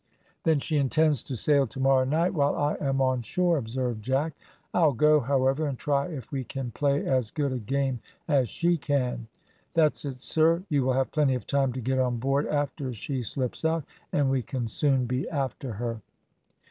"Then she intends to sail tomorrow night, while I am on shore," observed Jack. "I'll go, however, and try if we can play as good a game as she can." "That's it, sir; you will have plenty of time to get on board after she slips out, and we can soon be after her."